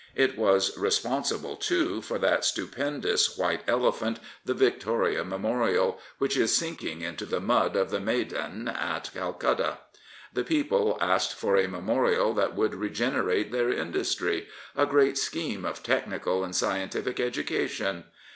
It was responsible, too, for that H 221 Prophets, Priests, and Kings stu pendo us white elephant, the Victoria memorial, which is sinking into the mud of the Maidan at Calcutta. The people asked for a memorial that would regenerate their industry — a great scheme of technical and scientific education.